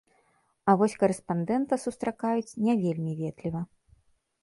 А вось карэспандэнта сустракаюць не вельмі ветліва.